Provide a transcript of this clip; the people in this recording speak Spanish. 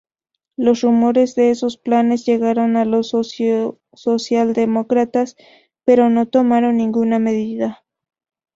Los rumores de esos planes llegaron a los socialdemócratas, pero no tomaron ninguna medida.